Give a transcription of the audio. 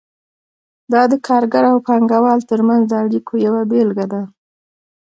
دا د کارګر او پانګه وال ترمنځ د اړیکو یوه بیلګه ده.